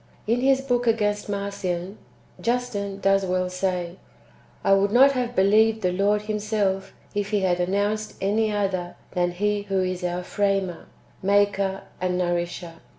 In his book against Marcion, Justin ^ does well say :" I would not have believed the Lord Himself, if He had announced any other than He who is our framer, maker, and nourisher.